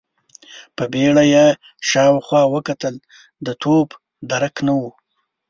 په بيړه يې شاوخوا وکتل، د توپ درک نه و.